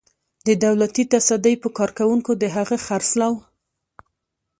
د دولتي تصدۍ په کارکوونکو د هغه خرڅلاو.